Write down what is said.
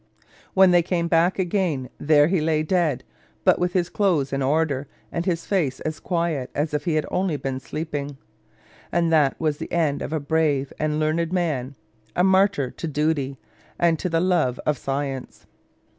When they came back again, there he lay dead, but with his clothes in order and his face as quiet as if he had been only sleeping. And that was the end of a brave and learned man a martyr to duty and to the love of science.